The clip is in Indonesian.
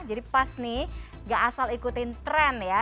jadi pas nih gak asal ikutin tren ya